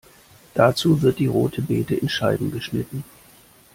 Dazu wird die Rote Bete in Scheiben geschnitten.